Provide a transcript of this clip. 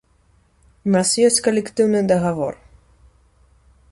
У нас ёсць калектыўны дагавор.